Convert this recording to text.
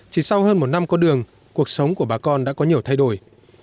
chỉ sau hơn một năm có đường cuộc sống của bà con đã có nhiều thay đổi